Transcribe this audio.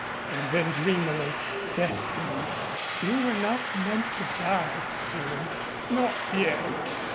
And then dreamily, "Destiny! You were not meant to die, Cyril." "Not yet."